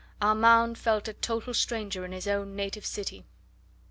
Armand felt a total stranger in his own native city.